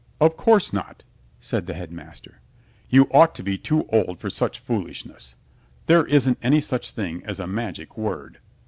"Of course not," said the Headmaster, "you ought to be too old for such foolishness. There isn't any such thing as a magic word."